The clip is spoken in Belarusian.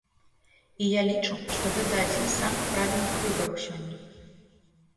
І я лічу, што гэта адзін з самых правільных выбараў сёння.